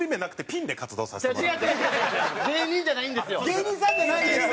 芸人じゃないんですよ。